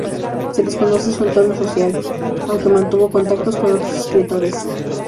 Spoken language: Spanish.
Se desconoce su entorno social, aunque mantuvo contactos con otros escritores.